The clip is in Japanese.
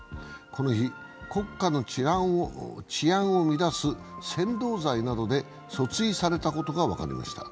この日、国家の治安を乱す扇動罪などで訴追されたことが分かりました。